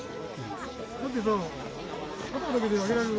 だってさ片方だけであげられる？